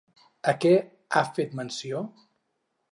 A què ha fet menció?